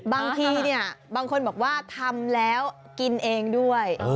บางทีเนี่ยบางคนบอกว่าทำแล้วกินเองด้วย